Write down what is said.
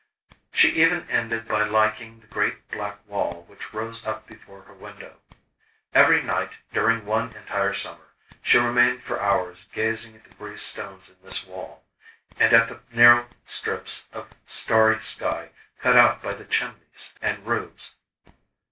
She even ended by liking the great black wall which rose up before her window. Every night during one entire summer, she remained for hours gazing at the grey stones in this wall, and at the narrow strips of starry sky cut out by the chimneys and roofs.